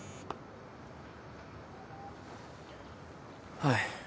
はい。